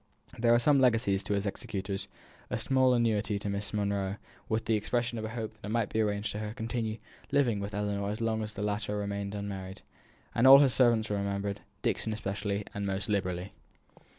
There were legacies to his executors; a small annuity to Miss Monro, with the expression of a hope that it might be arranged for her to continue living with Ellinor as long as the latter remained unmarried; all his servants were remembered, Dixon especially, and most liberally.